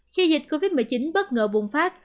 khi dịch covid một mươi chín bất ngờ bùng phát